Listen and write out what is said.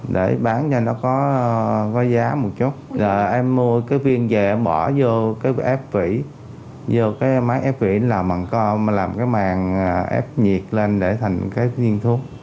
để bán cho nó có giá một chút em mua cái viên về em bỏ vô cái ép vỉ vô cái máy ép vỉ làm cái màng ép nhiệt lên để thành cái viên thuốc